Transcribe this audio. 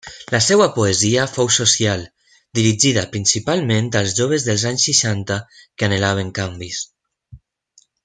La seva poesia fou social, dirigida principalment als joves dels anys seixanta, que anhelaven canvis.